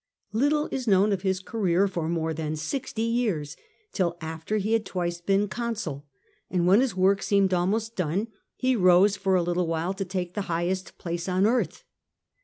Little is known of his career for more than sixty years, till after he had twice been consul, and when his work seemed almost done, he rose for a little while to take the highest place on earth.